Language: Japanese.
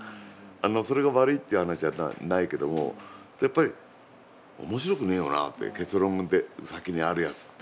それが悪いっていう話じゃないけどもやっぱり面白くねぇよなって結論先にあるやつって。